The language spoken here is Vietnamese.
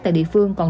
tại địa phương